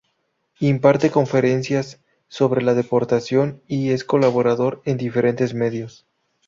Imparte conferencias sobre la deportación y es colaborador en diferentes medios.